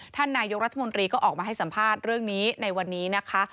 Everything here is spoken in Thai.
ท่านนายกรัฐมนตรีก็ออกมาให้สัมภาษณ์เรื่องนี้ในวันนี้นะคะ